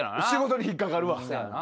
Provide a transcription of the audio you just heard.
仕事に引っ掛かるわ。